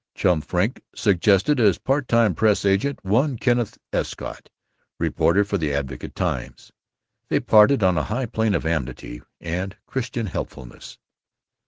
Chum Frink suggested as part time press agent one Kenneth Escott, reporter on the Advocate Times. They parted on a high plane of amity and Christian helpfulness.